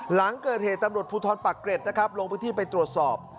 หลังเกิดเหตุตำรวจภูทรปักเกร็ดนะครับลงพื้นที่ไปตรวจสอบ